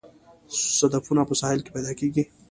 صدفونه په ساحل کې پیدا کیږي